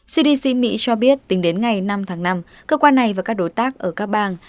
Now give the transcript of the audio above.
cdc mỹ cho biết tính đến ngày năm tháng năm cơ quan này và các đối tác ở các bang